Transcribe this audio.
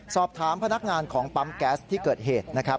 สอบถามพนักงานของปั๊มแก๊สที่เกิดเหตุนะครับ